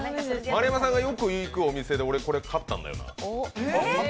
丸山さんがよく行くお店で俺、これ買ったんだよな。